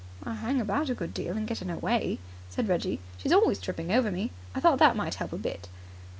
"I hang about a good deal and get in her way," said Reggie. "She's always tripping over me. I thought that might help a bit."